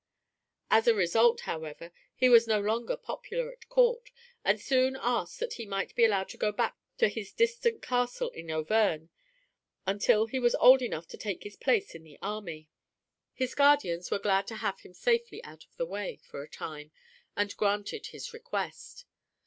As a result however he was no longer popular at court, and soon asked that he might be allowed to go back to his distant castle in Auvergne until he was old enough to take his place in the army. His guardians were glad to have him safely out of the way for a time, and granted his request.